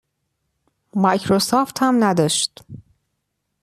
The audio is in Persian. مایکروسافت هم نداشت.